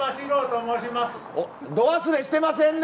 ど忘れしてませんね！